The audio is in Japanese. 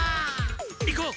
行こう！